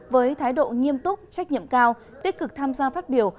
với thái độ nghiêm túc trách nhiệm cao tích cực tham gia phát biểu